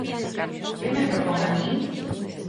¿Que me propón a min?